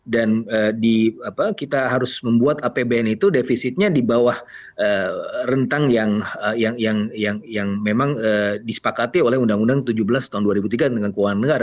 dan kita harus membuat apbn itu defisitnya di bawah rentang yang memang disepakati oleh undang undang tujuh belas tahun dua ribu tiga dengan kewangan negara